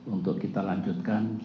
untuk kita lanjutkan